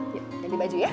yuk pilih baju ya